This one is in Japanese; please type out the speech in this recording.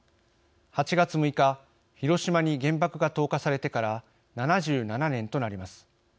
８月６日広島に原爆が投下されてから７７年となります。